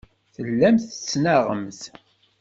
Tellamt tettnaɣemt.